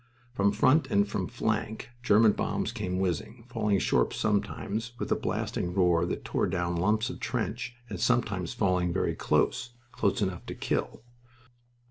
From front and from flank German bombs came whizzing, falling short sometimes, with a blasting roar that tore down lumps of trench, and sometimes falling very close close enough to kill.